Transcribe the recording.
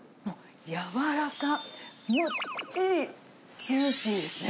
柔らかむっちりジューシーですね。